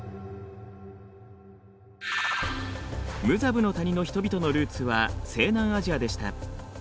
ムザブの谷の人々のルーツは西南アジアでした。